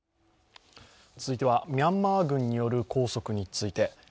続いては、ミャンマー軍による拘束について。